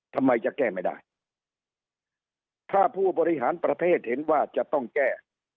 ทำไมจะแก้ไม่ได้ถ้าผู้บริหารประเทศเห็นว่าจะต้องแก้